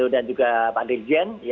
dan juga pak dirjen